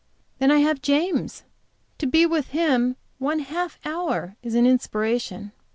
Then I have James. To be with him one half hour is an inspiration.